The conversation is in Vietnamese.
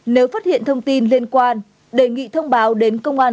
nếu phát hiện thông tin liên quan đề nghị thông báo đến công an